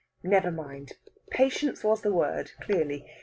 Never mind. Patience was the word, clearly.